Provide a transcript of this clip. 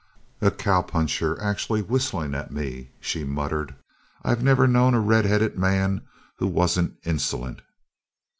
"A cowpuncher actually whistling at me!" she muttered, "I've never known a red headed man who wasn't insolent!"